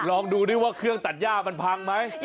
ลองดูดิว่าเครื่องตัดย่ามันพังไหม